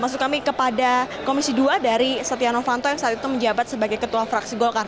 maksud kami kepada komisi dua dari setia novanto yang saat itu menjabat sebagai ketua fraksi golkar